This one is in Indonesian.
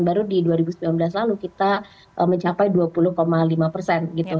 baru di dua ribu sembilan belas lalu kita mencapai dua puluh lima persen